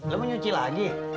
lu mau nyuci lagi